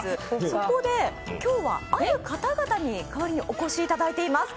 そこで今日はある方々に代わりにお越しいただいています。